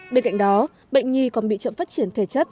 bên cạnh đó bệnh nhi còn bị chậm phát triển thể chất